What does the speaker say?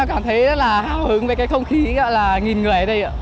cảm thấy rất là hào hứng với cái không khí gọi là nghìn người ở đây ạ